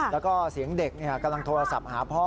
แล้วก็เสียงเด็กกำลังโทรศัพท์หาพ่อ